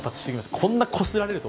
こんなこすられるとは